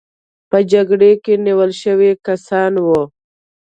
په جګړه کې نیول شوي کسان وو.